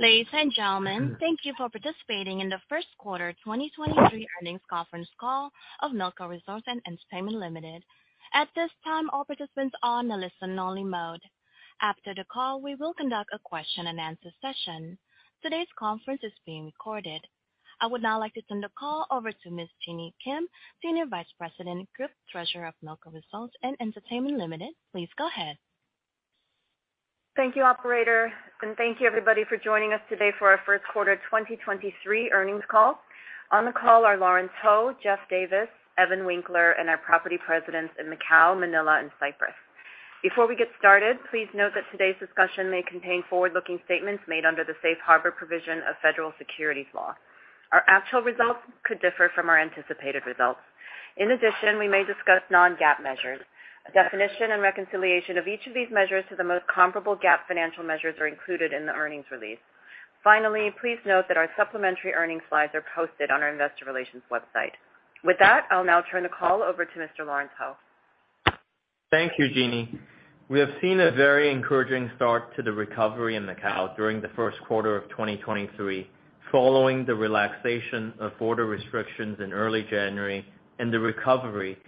Ladies and gentlemen, thank you for participating in the first quarter 2023 earnings conference call of Melco Resorts & Entertainment Limited. At this time, all participants are in a listen-only mode. After the call, we will conduct a question-and-answer session. Today's conference is being recorded. I would now like to turn the call over to Ms. Jeanny Kim, Senior Vice President, Group Treasurer of Melco Resorts & Entertainment Limited. Please go ahead. Thank you, operator, and thank you everybody for joining us today for our first quarter 2023 earnings call. On the call are Lawrence Ho, Geoff Davis, Evan Winkler, and our property presidents in Macao, Manila, and Cyprus. Before we get started, please note that today's discussion may contain forward-looking statements made under the Safe Harbor provision of federal securities law. Our actual results could differ from our anticipated results. In addition, we may discuss non-GAAP measures. A definition and reconciliation of each of these measures to the most comparable GAAP financial measures are included in the earnings release. Finally, please note that our supplementary earnings slides are posted on our investor relations website. With that, I'll now turn the call over to Mr. Lawrence Ho. Thank you, Jeanny. We have seen a very encouraging start to the recovery in Macao during the first quarter of 2023, following the relaxation of border restrictions in early January. The recovery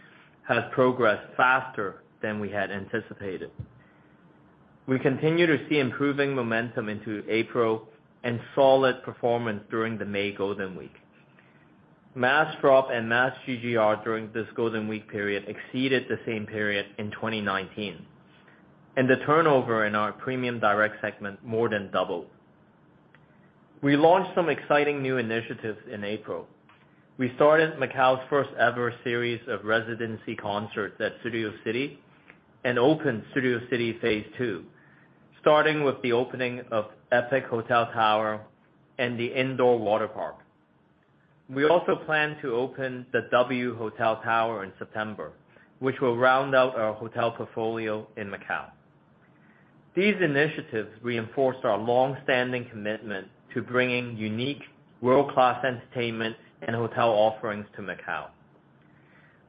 has progressed faster than we had anticipated. We continue to see improving momentum into April and solid performance during the May Golden Week. Mass drop and mass GGR during this Golden Week period exceeded the same period in 2019. The turnover in our premium direct segment more than doubled. We launched some exciting new initiatives in April. We started Macao's first-ever series of residency concerts at Studio City and opened Studio City Phase 2, starting with the opening of Epic hotel tower and the indoor water park. We also plan to open the W Hotel tower in September, which will round out our hotel portfolio in Macao. These initiatives reinforced our long-standing commitment to bringing unique world-class entertainment and hotel offerings to Macao.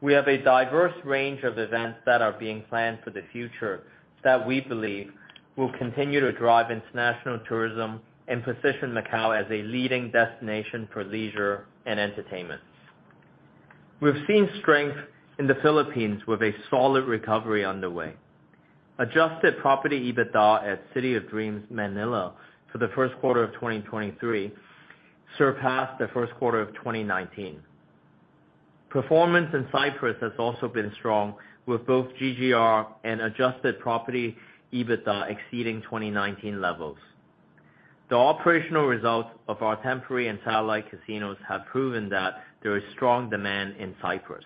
We have a diverse range of events that are being planned for the future that we believe will continue to drive international tourism and position Macao as a leading destination for leisure and entertainment. We've seen strength in the Philippines with a solid recovery underway. Adjusted property EBITDA at City of Dreams Manila for the first quarter of 2023 surpassed the first quarter of 2019. Performance in Cyprus has also been strong with both GGR and adjusted property EBITDA exceeding 2019 levels. The operational results of our temporary and satellite casinos have proven that there is strong demand in Cyprus.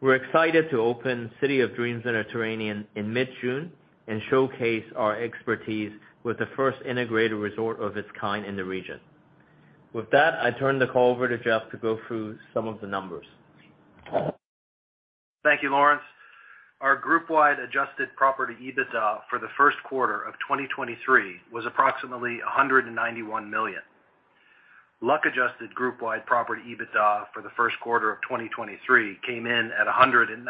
We're excited to open City of Dreams Mediterranean in mid-June and showcase our expertise with the first integrated resort of its kind in the region. With that, I turn the call over to Geoff to go through some of the numbers. Thank you, Lawrence. Our group-wide adjusted property EBITDA for the first quarter of 2023 was approximately $191 million. Luck-adjusted group-wide property EBITDA for the first quarter of 2023 came in at $197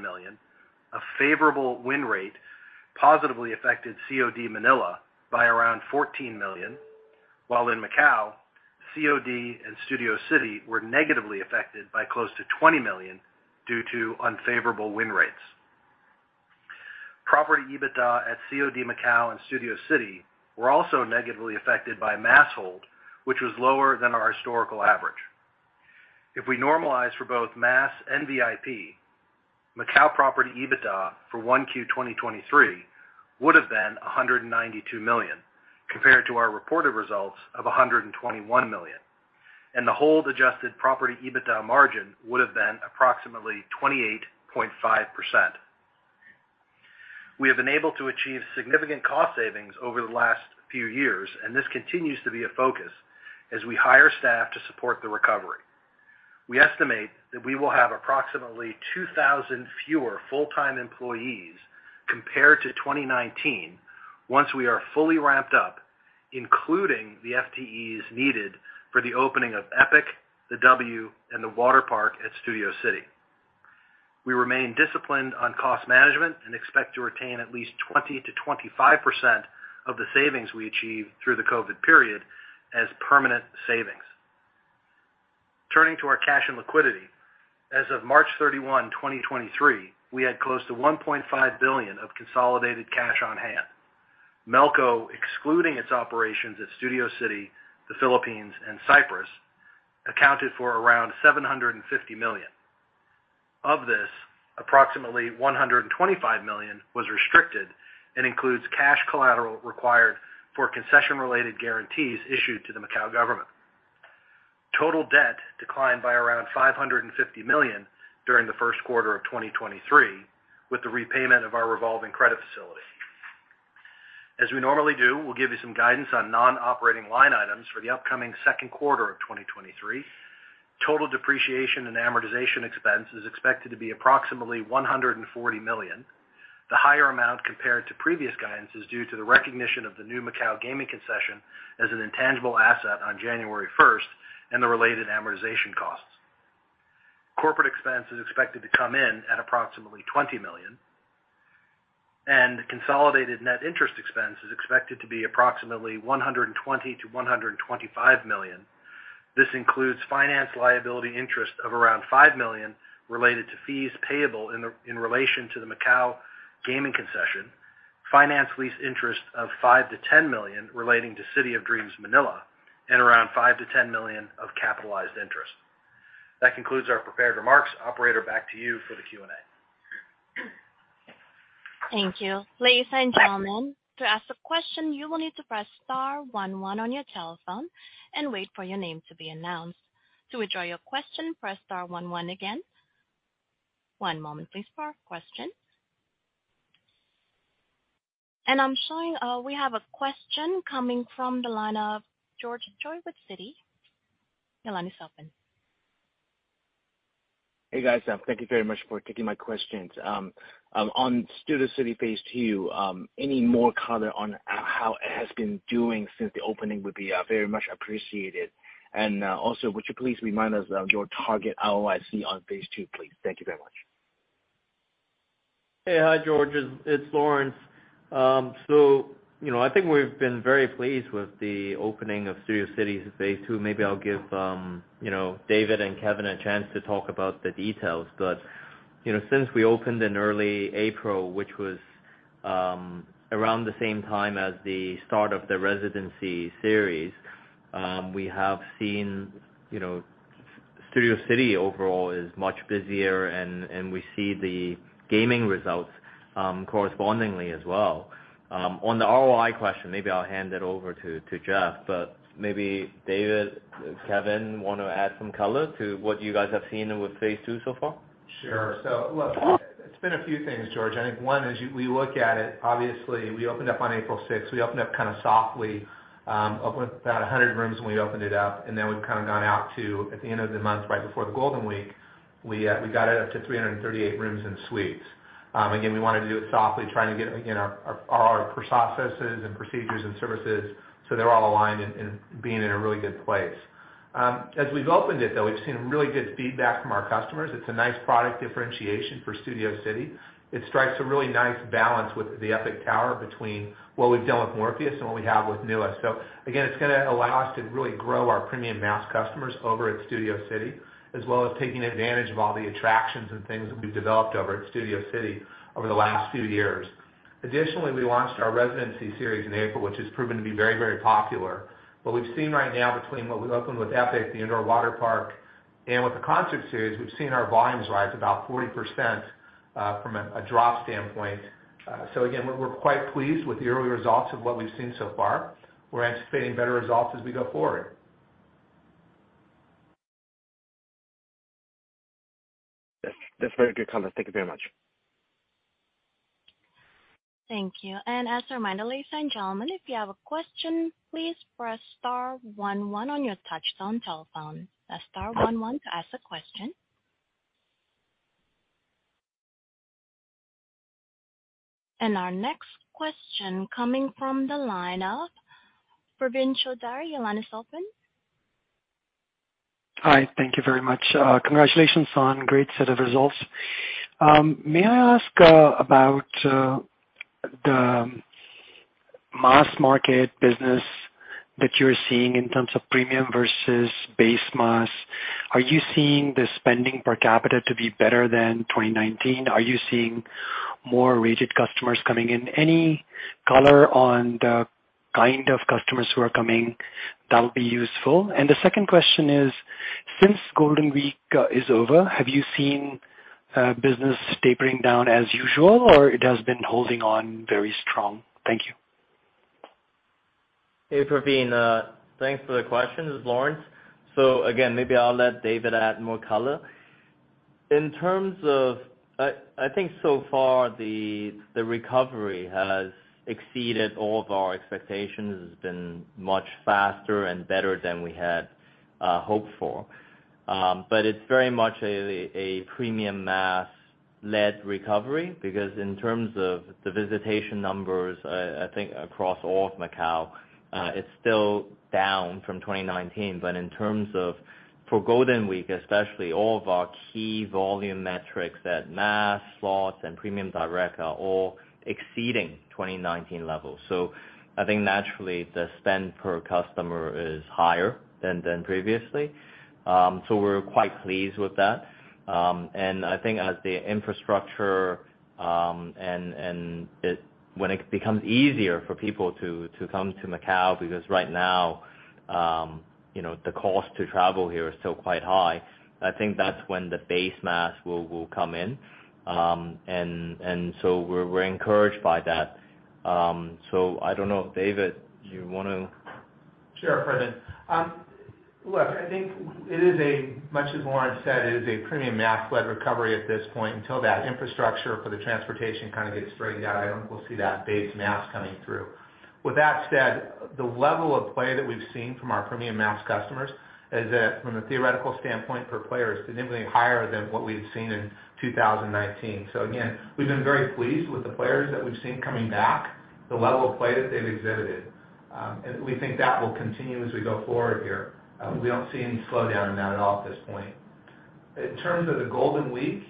million. A favorable win rate positively affected COD Manila by around $14 million, while in Macao, COD and Studio City were negatively affected by close to $20 million due to unfavorable win rates. Property EBITDA at COD Macao and Studio City were also negatively affected by mass hold, which was lower than our historical average. If we normalize for both mass and VIP, Macao property EBITDA for 1Q 2023 would have been $192 million compared to our reported results of $121 million, and the hold-adjusted property EBITDA margin would have been approximately 28.5%. We have been able to achieve significant cost savings over the last few years, and this continues to be a focus as we hire staff to support the recovery. We estimate that we will have approximately 2,000 fewer full-time employees compared to 2019 once we are fully ramped up, including the FTEs needed for the opening of Epic, the W, and the water park at Studio City. We remain disciplined on cost management and expect to retain at least 20%-25% of the savings we achieve through the COVID period as permanent savings. Turning to our cash and liquidity, as of March 31, 2023, we had close to $1.5 billion of consolidated cash on hand. Melco, excluding its operations at Studio City, the Philippines, and Cyprus, accounted for around $750 million. Of this, approximately $125 million was restricted and includes cash collateral required for concession-related guarantees issued to the Macau government. Total debt declined by around $550 million during the 1st quarter of 2023, with the repayment of our revolving credit facility. As we normally do, we'll give you some guidance on non-operating line items for the upcoming 2nd quarter of 2023. Total depreciation and amortization expense is expected to be approximately $140 million. The higher amount compared to previous guidance is due to the recognition of the new Macau gaming concession as an intangible asset on January 1st and the related amortization costs. Corporate expense is expected to come in at approximately $20 million. Consolidated net interest expense is expected to be approximately $120 million-$125 million. This includes finance liability interest of around $5 million related to fees payable in relation to the Macau gaming concession, finance lease interest of $5 million-$10 million relating to City of Dreams Manila, and around $5 million-$10 million of capitalized interest. That concludes our prepared remarks. Operator, back to you for the Q&A. Thank you. Ladies and gentlemen, to ask a question, you will need to "press star one one" on your telephone and wait for your name to be announced. To withdraw your question, "press star one one" again. One moment please for questions. I'm showing we have a question coming from the line of George Choi with Citi. Your line is open. Hey, guys. Thank you very much for taking my questions. On Studio City Phase 2, any more color on how it has been doing since the opening would be very much appreciated. Also, would you please remind us of your target ROIC on Phase 2, please? Thank you very much. Hey. Hi, George. It's Lawrence. You know, I think we've been very pleased with the opening of Studio City Phase 2. Maybe I'll give, you know, David and Kevin a chance to talk about the details. You know, since we opened in early April, which was around the same time as the start of the residency series, we have seen, you know, Studio City overall is much busier, and we see the gaming results correspondingly as well. On the ROI question, maybe I'll hand it over to Jeff, but maybe David, Kevin wanna add some color to what you guys have seen with Phase 2 so far? Sure. Look, it's been a few things, George. I think one, as we look at it, obviously we opened up on April 6th. We opened up kinda softly, opened with about 100 rooms when we opened it up, and then we've kinda gone out to, at the end of the month, right before the Golden Week, we got it up to 338 rooms and suites. Again, we wanted to do it softly, trying to get, again, our, our processes and procedures and services so they're all aligned and being in a really good place. As we've opened it, though, we've seen really good feedback from our customers. It's a nice product differentiation for Studio City. It strikes a really nice balance with the Epic Tower between what we've done with Morpheus and what we have with Nüwa. It's gonna allow us to really grow our premium mass customers over at Studio City, as well as taking advantage of all the attractions and things that we've developed over at Studio City over the last few years. Additionally, we launched our residency series in April, which has proven to be very, very popular. What we've seen right now between what we opened with Epic, the indoor water park, and with the concert series, we've seen our volumes rise about 40% from a drop standpoint. We're quite pleased with the early results of what we've seen so far. We're anticipating better results as we go forward. Yes. That's very good comment. Thank you very much. Thank you. As a reminder, ladies and gentlemen, if you have a question, "please press star one one" on your touch tone telephone. "Press star one one" to ask a question. Our next question coming from the line of Praveen Choudhary. Your line is open. Hi. Thank you very much. Congratulations on great set of results. May I ask about the mass market business that you're seeing in terms of Premium versus Base Mass? Are you seeing the spending per capita to be better than 2019? Are you seeing more rigid customers coming in? Any color on the kind of customers who are coming, that'll be useful. The second question is, since Golden Week is over, have you seen business tapering down as usual, or it has been holding on very strong? Thank you. Hey, Praveen. Thanks for the question. This is Lawrence. Again, maybe I'll let David add more color. In terms of, I think so far the recovery has exceeded all of our expectations. It's been much faster and better than we had hoped for. But it's very much a premium mass-led recovery because in terms of the visitation numbers, I think across all of Macau, it's still down from 2019. In terms of, for Golden Week especially, all of our key volume metrics at mass, slots, and premium direct are all exceeding 2019 levels. I think naturally the spend per customer is higher than previously. We're quite pleased with that. I think as the infrastructure, when it becomes easier for people to come to Macau, because right now, you know, the cost to travel here is still quite high. I think that's when the base mass will come in. We're encouraged by that. I don't know, David, you wanna? Sure, Praveen. look, I think it is a, much as Lawrence said, it is a Premium Mass-led recovery at this point. Until that infrastructure for the transportation kinda gets straightened out, I don't think we'll see that Base Mass coming through. With that said, the level of play that we've seen from our Premium Mass customers is that from a theoretical standpoint for players, significantly higher than what we've seen in 2019. Again, we've been very pleased with the players that we've seen coming back, the level of play that they've exhibited. And we think that will continue as we go forward here. We don't see any slowdown in that at all at this point. In terms of the Golden Week,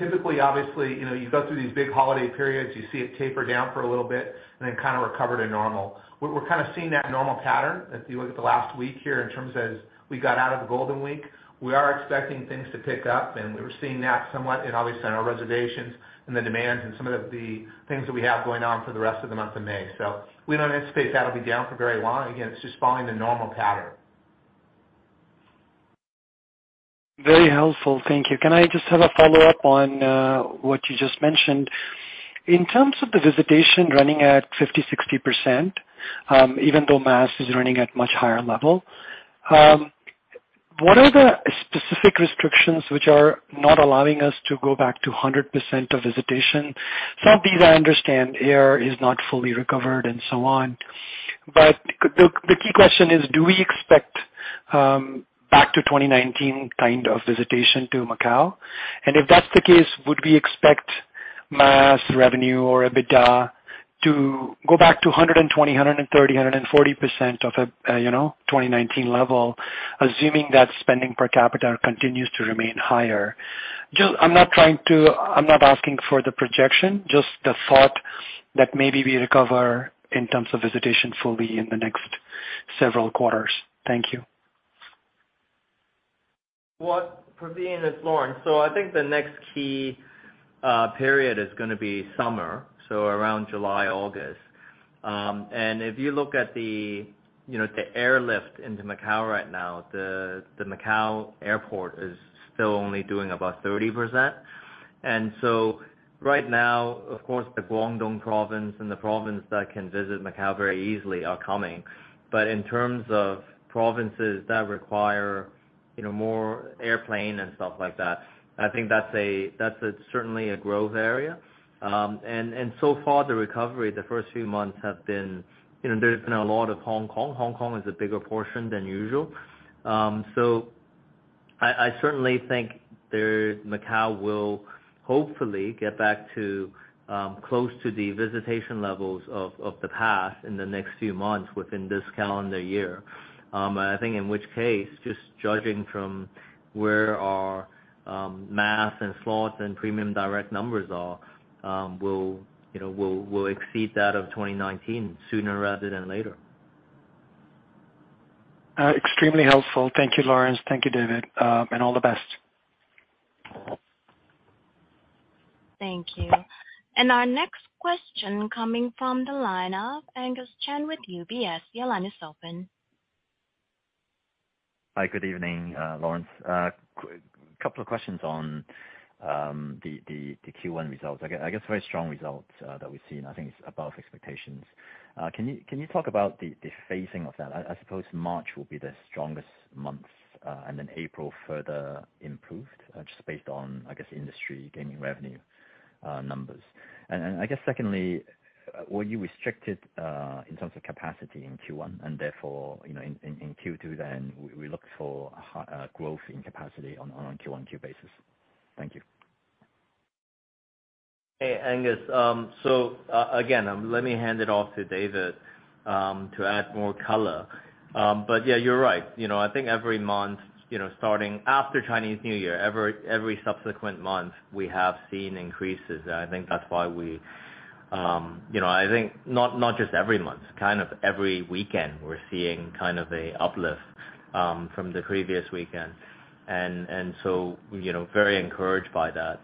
typically, obviously, you know, you go through these big holiday periods, you see it taper down for a little bit and then kind of recover to normal. We're kind of seeing that normal pattern, if you look at the last week here in terms of as we got out of the Golden Week. We are expecting things to pick up, and we're seeing that somewhat in obviously in our reservations and the demands and some of the things that we have going on for the rest of the month of May. We don't anticipate that'll be down for very long. Again, it's just following the normal pattern. Very helpful. Thank you. Can I just have a follow-up on what you just mentioned? In terms of the visitation running at 50%, 60%, even though mass is running at much higher level, what are the specific restrictions which are not allowing us to go back to 100% of visitation? Some of these I understand, air is not fully recovered and so on. The key question is do we expect back to 2019 kind of visitation to Macau? And if that's the case, would we expect mass revenue or EBITDA to go back to 120%, 130%, 140% of a you know, 2019 level, assuming that spending per capita continues to remain higher? I'm not asking for the projection, just the thought that maybe we recover in terms of visitation fully in the next several quarters. Thank you. Praveen, it's Lawrence. I think the next key period is gonna be summer, so around July, August. If you look at the, you know, the airlift into Macau right now, the Macau airport is still only doing about 30%. Right now, of course, the Guangdong province and the province that can visit Macau very easily are coming. In terms of provinces that require, you know, more airplane and stuff like that, I think that's a certainly a growth area. So far, the recovery the first few months have been, you know, there's been a lot of Hong Kong. Hong Kong is a bigger portion than usual. I certainly think Macau will hopefully get back to close to the visitation levels of the past in the next few months within this calendar year. I think in which case, just judging from where our mass and slots and premium direct numbers are, we'll exceed that of 2019 sooner rather than later. Extremely helpful. Thank you, Lawrence. Thank you, David, and all the best. Thank you. Our next question coming from the line of Angus Chan with UBS. Your line is open. Hi. Good evening, Lawrence. Couple of questions on the Q1 results. I guess, very strong results, that we've seen, I think it's above expectations. Can you talk about the phasing of that? I suppose March will be the strongest month, and then April further improved, just based on, I guess, industry gaming revenue numbers. I guess secondly, were you restricted in terms of capacity in Q1, and therefore, you know, in Q2 then we look for a high growth in capacity on a Q1 Q basis? Thank you. Angus. Again, let me hand it off to David to add more color. Yeah, you're right. You know, I think every month, you know, starting after Chinese New Year, every subsequent month, we have seen increases. I think that's why we, you know, I think not just every month, kind of every weekend we're seeing kind of a uplift from the previous weekend. So, you know, very encouraged by that.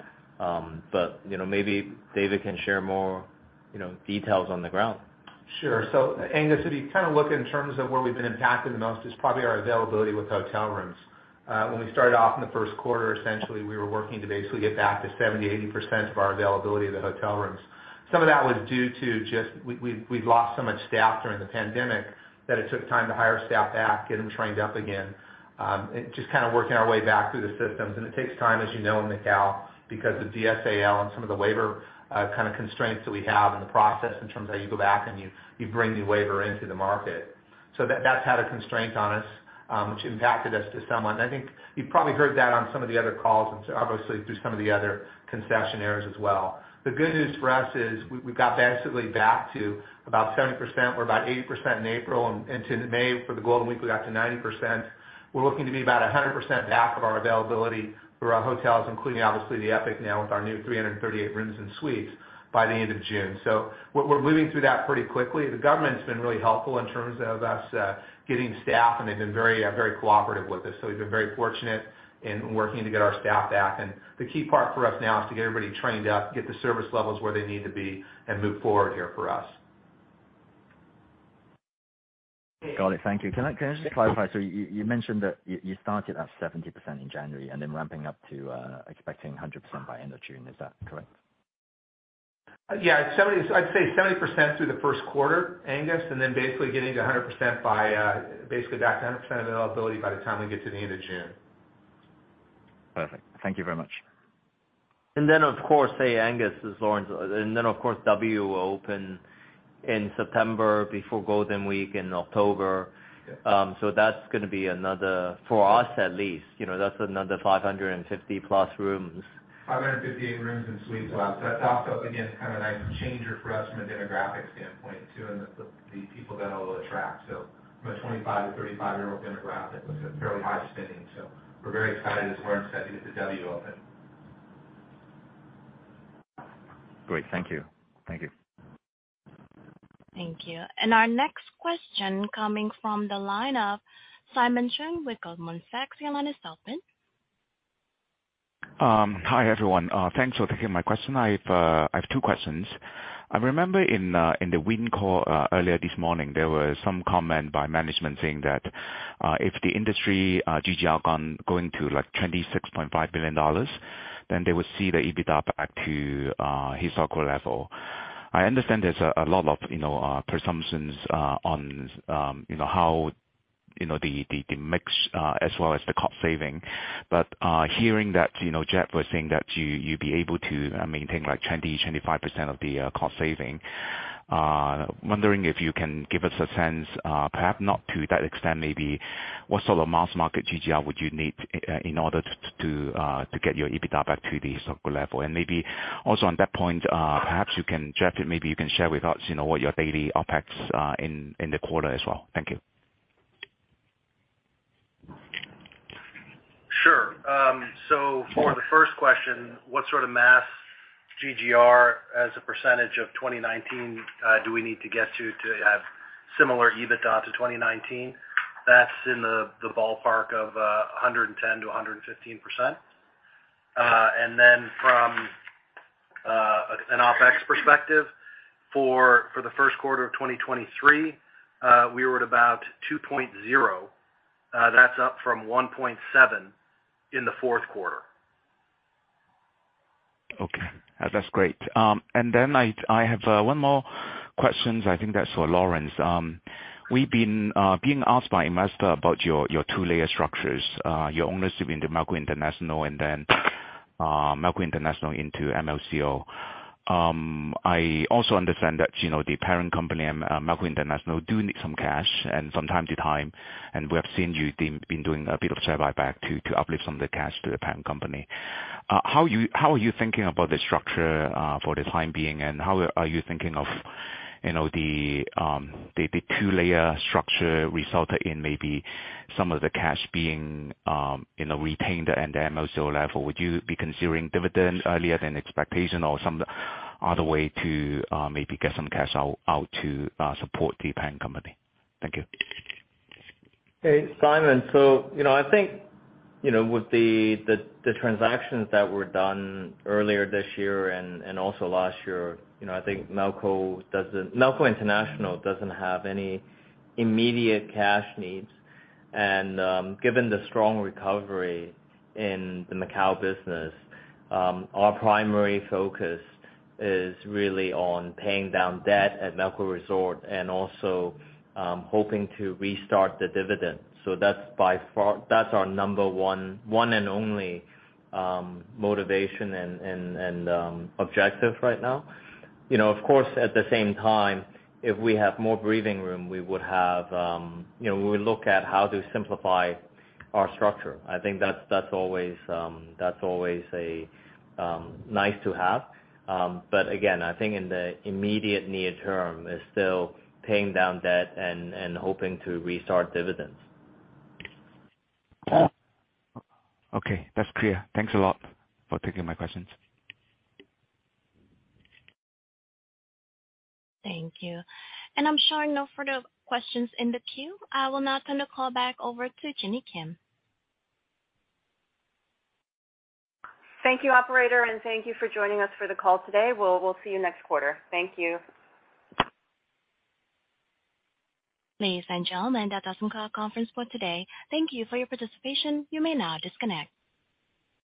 You know, maybe David can share more, you know, details on the ground. Sure. Angus, if you kind of look in terms of where we've been impacted the most, it's probably our availability with hotel rooms. When we started off in the first quarter, essentially, we were working to basically get back to 70%, 80% of our availability of the hotel rooms. Some of that was due to just we'd lost so much staff during the pandemic that it took time to hire staff back, get them trained up again, and just kind of working our way back through the systems. It takes time, as you know, in Macau, because of DSAL and some of the waiver, kind of constraints that we have in the process in terms of how you go back and you bring new waiver into the market. That's had a constraint on us, which impacted us to some. I think you've probably heard that on some of the other calls and obviously through some of the other concessionaires as well. The good news for us is we've got basically back to about 70%. We're about 80% in April and into May for the Golden Week, we got to 90%. We're looking to be about 100% back of our availability for our hotels, including obviously the Epic now with our new 338 rooms and suites by the end of June. We're moving through that pretty quickly. The government's been really helpful in terms of us getting staff, and they've been very cooperative with us. We've been very fortunate in working to get our staff back. The key part for us now is to get everybody trained up, get the service levels where they need to be, and move forward here for us. Got it. Thank you. Can I just clarify? You mentioned that you started at 70% in January and then ramping up to expecting 100% by end of June. Is that correct? Yeah. I'd say 70% through the first quarter, Angus, and then basically getting to 100% by, basically back to 100% availability by the time we get to the end of June. Perfect. Thank you very much. Of course, say Angus is Lawrence. Of course, W will open in September before Golden Week in October. That's gonna be another, for us at least, you know, that's another 550 plus rooms. 558 rooms and suites. That's also, again, it's kind of a nice changer for us from a demographic standpoint too, and the people that it'll attract. From a 25 to 35-year-old demographic, it's a fairly high spending. We're very excited, as Lawrence Ho said, to get the W open. Great. Thank you. Thank you. Thank you. Our next question coming from the line of Simon Cheung with Goldman Sachs. Your line is open. Hi, everyone. Thanks for taking my question. I have two questions. I remember in the Wynn call earlier this morning, there was some comment by management saying that if the industry GGR going to like $26.5 billion, then they would see the EBITDA back to historical level. I understand there's a lot of, you know, presumptions on, you know, how, you know, the mix, as well as the cost saving. Hearing that, you know, Geoff was saying that you'd be able to maintain like 20%-25% of the cost saving, wondering if you can give us a sense, perhaps not to that extent, maybe what sort of mass market GGR would you need in order to get your EBITDA back to the historical level? Maybe also on that point, perhaps you can, Geoff, maybe you can share with us, you know, what your daily OpEx in the quarter as well. Thank you. Sure. For the first question, what sort of mass GGR as a percentage of 2019 do we need to get to have similar EBITDA to 2019? That's in the ballpark of 110%-115%. From an OpEx perspective, for the first quarter of 2023, we were at about 2.0. That's up from 1.7 in the fourth quarter. Okay. That's great. Then I have one more questions I think that's for Lawrence Ho. We've been being asked by investor about your two layer structures, your ownership in the Melco International and then Melco International into MLCO. I also understand that, you know, the parent company Melco International do need some cash and from time to time. We have seen you been doing a bit of share buyback to uplift some of the cash to the parent company. How are you thinking about the structure for the time being, and how are you thinking of, you know, the two layer structure result in maybe some of the cash being, you know, retained at the MLCO level? Would you be considering dividend earlier than expectation or some other way to maybe get some cash out to support the parent company? Thank you. Hey, Simon. you know, I think, you know, with the transactions that were done earlier this year and also last year, you know, I think Melco International doesn't have any immediate cash needs. Given the strong recovery in the Macau business, our primary focus is really on paying down debt at Melco Resorts and also, hoping to restart the dividend. That's our number one and only, motivation and objective right now. You know, of course, at the same time, if we have more breathing room, we would have, you know, we would look at how to simplify our structure. I think that's always, that's always a, nice to have. Again, I think in the immediate near term, it's still paying down debt and hoping to restart dividends. Okay, that's clear. Thanks a lot for taking my questions. Thank you. I'm showing no further questions in the queue. I will now turn the call back over to Jeanny Kim. Thank you, operator, thank you for joining us for the call today. We'll see you next quarter. Thank you. Ladies and gentlemen, that does end our conference call today. Thank you for your participation. You may now disconnect.